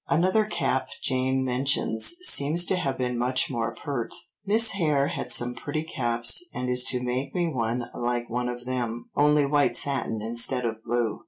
Another cap Jane mentions seems to have been much more pert: "Miss Hare had some pretty caps and is to make me one like one of them, only white satin instead of blue.